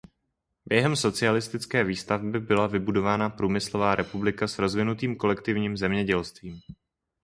Během socialistické výstavby byla vybudována průmyslová republika s rozvinutým kolektivním zemědělstvím.